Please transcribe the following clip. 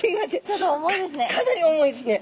ちょっと重いですね。